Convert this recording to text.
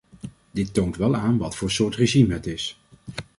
Dit toont wel aan wat voor soort regime het is.